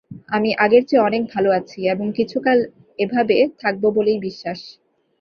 আমি আগের চেয়ে অনেক ভাল আছি এবং কিছুকাল এভাবে থাকব বলেই বিশ্বাস।